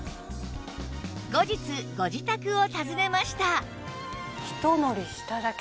後日ご自宅を訪ねました